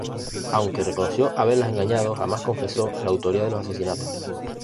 Aunque reconoció haberlas engañado, jamás confesó la autoría de los asesinatos.